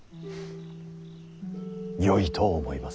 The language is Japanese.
よいと思います。